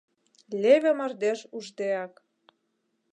Леве мардеж уждеак.